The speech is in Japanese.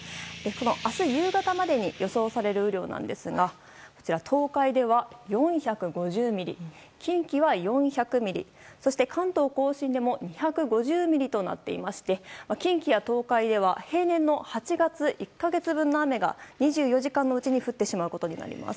明日夕方までに予想される雨量なんですが東海では４５０ミリ近畿は４００ミリそして、関東・甲信でも２５０ミリとなっていまして近畿や東海では平年の８月１か月分の雨が２４時間のうちに降ってしまうことになります。